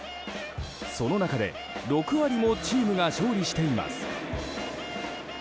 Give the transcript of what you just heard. その中で、６割もチームが勝利しています。